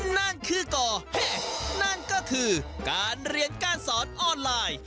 นั่นคือก่อเหนั่นก็คือการเรียนการสอนออนไลน์